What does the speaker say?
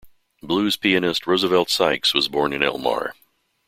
Blues pianist Roosevelt Sykes was born in Elmar.